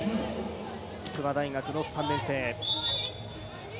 筑波大学の３年生。